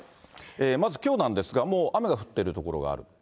まず、きょうなんですが、もう雨が降ってる所がある。